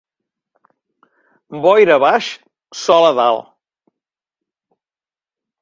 Boira a baix, sol a dalt.